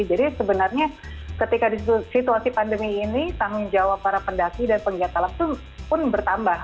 jadi sebenarnya ketika di situasi pandemi ini tanggung jawab para pendaki dan penggiat alam itu pun bertambah